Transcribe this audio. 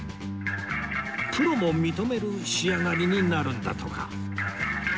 プロも認める仕上がりになるんだとか